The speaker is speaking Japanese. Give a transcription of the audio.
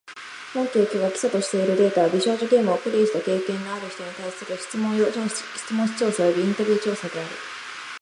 本研究が基礎としているデータは、美少女ゲームをプレイした経験のある人に対する質問紙調査およびインタビュー調査である。